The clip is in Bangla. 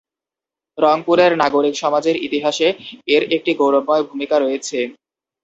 রংপুরের নাগরিক সমাজের ইতিহাসে এর একটি গৌরবময় ভূমিকা রয়েছে।